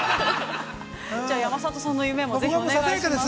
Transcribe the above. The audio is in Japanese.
◆じゃあ、山里さんの夢もぜひお願いします。